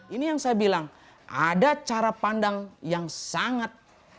ini yang saya bilang ada cara pandang yang sangat